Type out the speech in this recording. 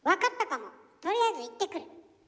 とりあえず行ってくる。